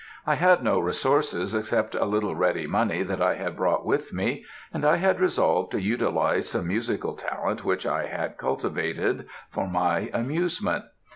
I had no resources except a little ready money that I had brought with me, and I had resolved to utilise some musical talent which I had cultivated for my amusement.